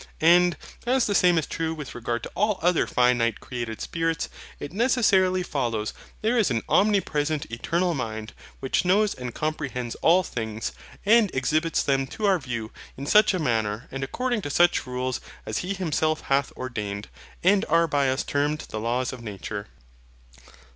And, as the same is true with regard to all other finite created spirits, it necessarily follows there is an OMNIPRESENT ETERNAL MIND, which knows and comprehends all things, and exhibits them to our view in such a manner, and according to such rules, as He Himself hath ordained, and are by us termed the LAWS OF NATURE.